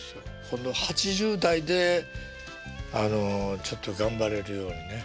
この８０代であのちょっと頑張れるようにね。